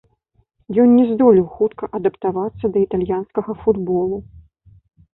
Ён не здолеў хутка адаптавацца да італьянскага футболу.